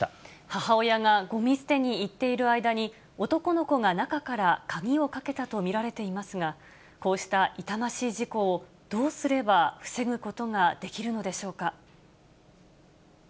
母親がごみ捨てに行っている間に、男の子が中から鍵をかけたと見られていますが、こうした痛ましい事故をどうすれば防ぐことができるのでしょうか。